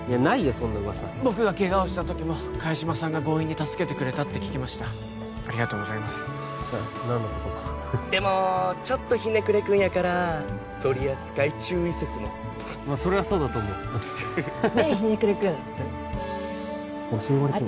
そんな噂僕がケガをした時も萱島さんが強引に助けてくれたって聞きましたありがとうございます何のことかでもちょっとひねくれ君やから取扱注意説もまあそれはそうだと思うねえひねくれ君えっ俺そう呼ばれてんの？